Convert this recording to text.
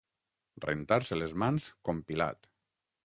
Rentar-se les mans com Pilat.